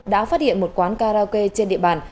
đã phát hiện một quán karaoke trên địa bàn